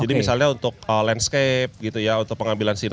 jadi misalnya untuk landscape gitu ya untuk pengambilan sinema